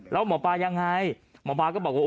แล้วหมอปลายังไงหมอปลาก็บอกว่า